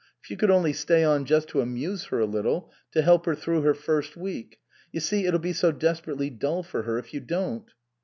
If you could only stay on just to amuse her a little, to help her through her first week ! You see, it'll be so desperately dull for her if you don't."